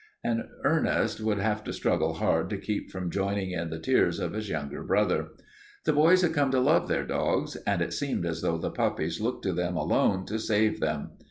And Ernest would have to struggle hard to keep from joining in the tears of his younger brother. The boys had come to love their dogs, and it seemed as though the puppies looked to them alone to save them.